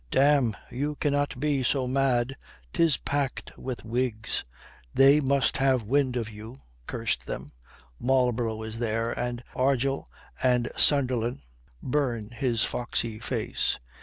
"Damme, you cannot be so mad! 'Tis packed with Whigs. They must have wind of you, curse them. Marlborough is there, and Argyll and Sunderland, burn his foxy face.